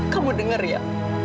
kamu denger ya